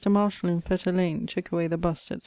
Marshall in Fetter lane tooke away the bust, etc.